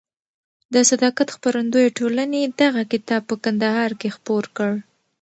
د صداقت خپرندویه ټولنې دغه کتاب په کندهار کې خپور کړ.